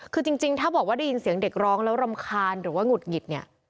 คือจริงถ้าบอกว่าได้ยินเสียงเด็กร้องแล้วรำคาญหรือว่าหงุดหงิดเนี่ย